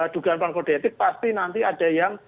dugaan pengkodeatik pasti nanti ada yang